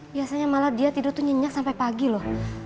biasanya malah dia tidur tuh nyenyak sampai pagi loh